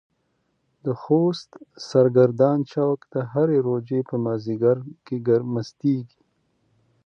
د خوست سرګردان چوک د هرې روژې په مازديګر کې مستيږي.